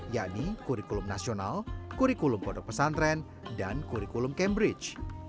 yakni kurikulum nasional kurikulum pondok pesantren dan kurikulum cambridge